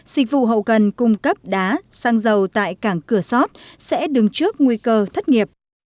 dịch vụ hậu cần cung cấp đá xăng dầu tại cảng cửa sót sẽ đứng trước nguy cơ thất nghiệp